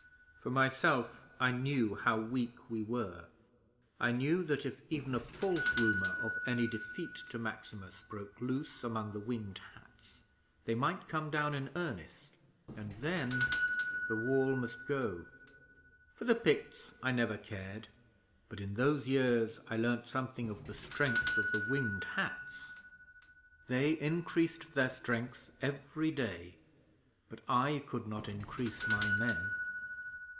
For myself, I knew how weak we were. I knew that if even a false rumour of any defeat to Maximus broke loose among the Winged Hats, they might come down in earnest, and then the Wall must go! For the Picts I never cared, but in those years I learned something of the strength of the Winged Hats. They increased their strength every day, but I could not increase my men.